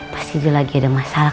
pasti lagi ada masalah